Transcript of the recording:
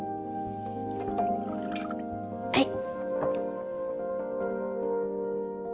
はい。